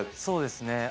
そうですね。